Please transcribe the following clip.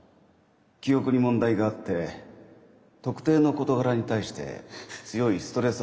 記憶に問題があって特定の事柄に対して強いストレス反応を起こします。